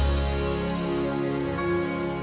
terima kasih tante